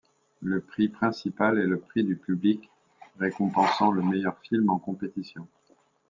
Le prix principal est le prix du public récompensant le meilleur film en compétition.